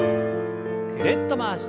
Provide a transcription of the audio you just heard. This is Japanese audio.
ぐるっと回して。